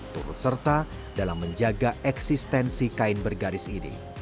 turut serta dalam menjaga eksistensi kain bergaris ini